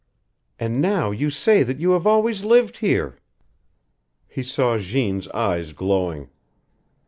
And now you say that you have always lived here!" He saw Jeanne's eyes glowing.